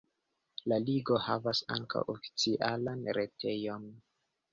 La ligo havas ankaŭ oficialan retejon.